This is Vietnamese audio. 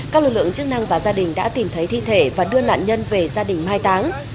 các lực lượng chức năng và gia đình đã tìm thấy thi thể và đưa nạn nhân về gia đình mai táng